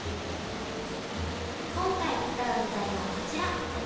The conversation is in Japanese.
今回使う具材はこちら。